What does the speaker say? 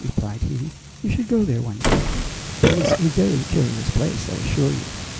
replied he. "You should go there one day. It is a very curious place, I assure you.